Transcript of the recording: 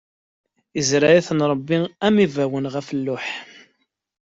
Izreɛ-iten Ṛebbi am ibawen ɣef lluḥ.